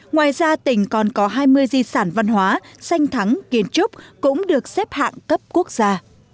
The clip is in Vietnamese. ngoài ra tỉnh còn có hai mươi di sản văn hóa danh thắng kiến trúc cũng được xếp hạng cấp quốc gia